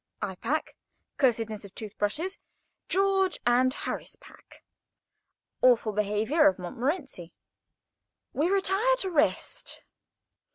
—I pack.—Cussedness of tooth brushes.—George and Harris pack.—Awful behaviour of Montmorency.—We retire to rest.